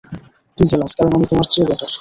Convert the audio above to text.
তুমি জেলাস, কারণ আমি তোমার চেয়ে বেটার।